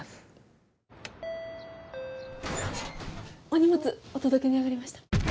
お荷物お届けに上がりました。